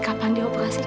kapan dia operasinya